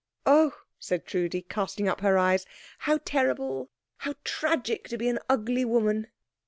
Oh," said Trudi, casting up her eyes, "how terrible, how tragic, to be an ugly woman!"